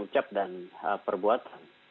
ucap dan perbuat